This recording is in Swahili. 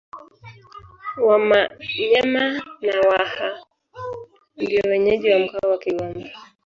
Wamanyema na Waha ndio wenyeji wa mkoa wa Kigoma